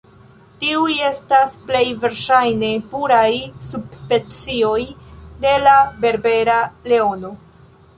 Tiuj estas plej verŝajne puraj subspecioj de la berbera leono.